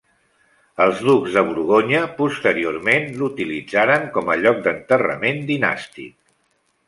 Els ducs de Borgonya posteriorment l'utilitzaren com a lloc d'enterrament dinàstic.